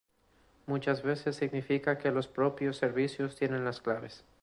muchas veces significa que los propios servicios tienen las claves